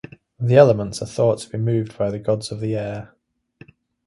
The elements are thought to be moved by the gods of the air.